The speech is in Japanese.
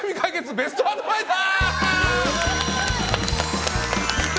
ベストアドバイザー！